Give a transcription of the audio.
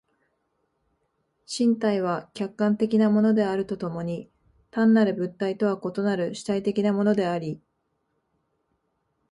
身体は客観的なものであると共に単なる物体とは異なる主体的なものであり、